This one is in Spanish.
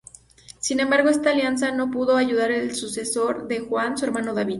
Sin embargo, esta alianza no pudo ayudar al sucesor de Juan, su hermano David.